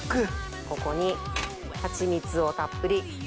ここにハチミツをたっぷり。